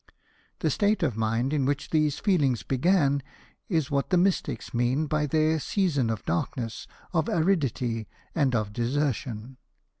The state of mind in which these feelings began is what the mystics mean by their season of darkness, of aridity, and of desertion.